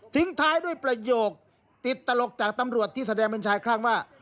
ท้ายด้วยประโยคติดตลกจากตำรวจที่แสดงเป็นชายคลั่งว่า